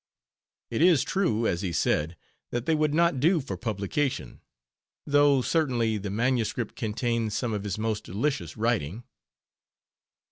It is true, as he said, that they would not do for publication, though certainly the manuscript contains some of his most delicious writing.